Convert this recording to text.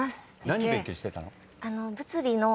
何勉強してたの？